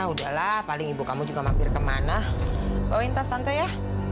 udahlah paling ibu kamu juga mampir ke mana kau intas tante ya